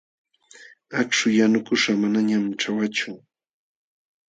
Akśhu yanuśhqa manañan ćhawachu.